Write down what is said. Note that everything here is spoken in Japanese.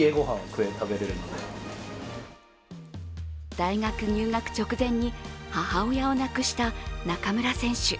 大学入学直前に母親を亡くした中村選手。